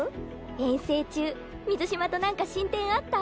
遠征中水嶋と何か進展あった？